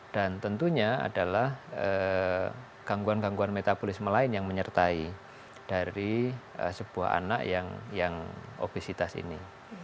dan tentunya adalah gangguan gangguan metabolisme lain yang menyertai dari sebuah anak yang obesitas ini